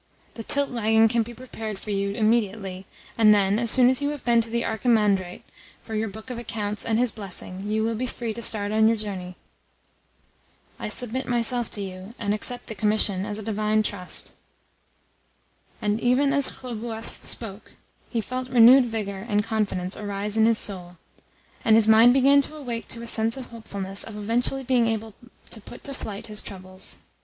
The tilt waggon can be prepared for you immediately; and then, as soon as you have been to the Archimandrite for your book of accounts and his blessing, you will be free to start on your journey." "I submit myself to you, and accept the commission as a divine trust." And even as Khlobuev spoke he felt renewed vigour and confidence arise in his soul, and his mind begin to awake to a sense of hopefulness of eventually being able to put to flight his troubles.